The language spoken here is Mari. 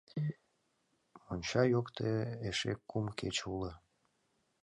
Монча йокте эше кум кече уло.